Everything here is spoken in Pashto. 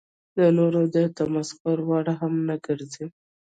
د نورو د تمسخر وړ هم نه ګرځي.